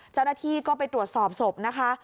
เจ้าหน้าที่ก็ไปตรวจสอบศพนะคะ